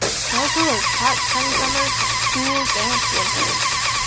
Melville has hot sunny summers, and cool damp winters.